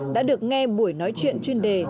đã được nghe buổi nói chuyện chuyên đề